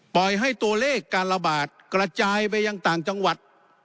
ปล่อยให้ตัวเลขการระบาดกระจายไปยังต่างจังหวัด